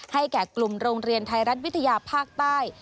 แก่กลุ่มโรงเรียนไทยรัฐวิทยาภาคใต้